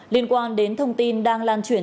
liên quan đến thông tin đang lan truyền